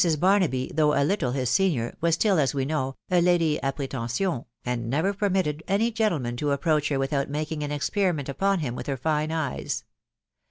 Barnaby, though a little his senior, was still, as we know, a lady a pre tention, and never permitted any gentleman to approach her without making an experiment upon him with her fine eyes.